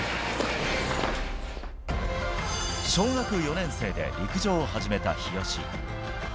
小学４年生で陸上を始めた日吉。